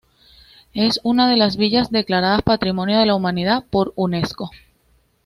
Es una de las villas declaradas Patrimonio de la Humanidad por la Unesco.